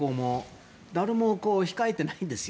誰も控えていないんですよ。